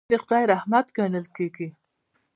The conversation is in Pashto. میلمه د خدای رحمت ګڼل کیږي.